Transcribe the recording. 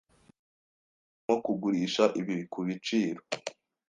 Ntabwo urimo kugurisha ibi kubiciro?